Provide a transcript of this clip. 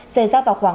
sẽ ra vào khu vực